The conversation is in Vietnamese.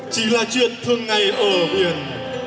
chỉ là chuyện thương ngày ở biển